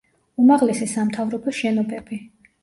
უმაღლესი სამთავრობო შენობები.